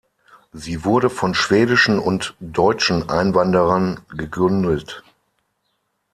Sie wurde von schwedischen und deutschen Einwanderern gegründet.